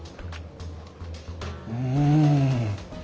うん。